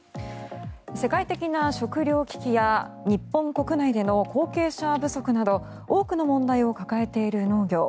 世界的な食糧危機や日本国内での後継者不足など多くの問題を抱えている農業。